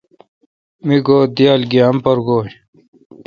می گو دییال گییام پرگوئ۔